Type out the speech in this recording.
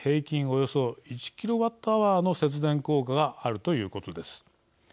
およそ１ｋＷｈの節電効果があるということです。